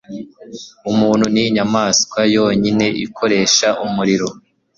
Umuntu ninyamaswa yonyine ikoresha umuriro